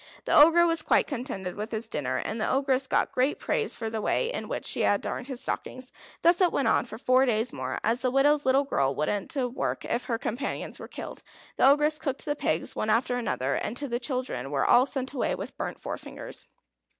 The Ogre was quite contented with his dinner, and the Ogress got great praise for the way in which she had darned his stockings. Thus it went on for four days more. As the widow's little girl wouldn't work if her companions were killed, the Ogress cooked the pigs one after another, and the children were all sent away with burnt forefingers.